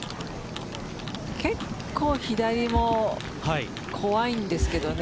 結構左も怖いんですけどね。